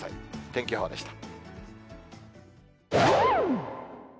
天気予報でした。